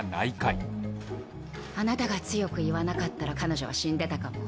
あなたが強く言わなかったら彼女は死んでたかも。